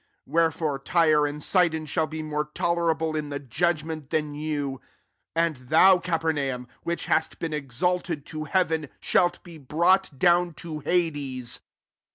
14 Wherefore Tyre and Sidott aball be mors tolerable in the jadgment^ than you« 15 And tbou, C^pemanm^ which hast been exalted to heaven, shah be brought down to hades.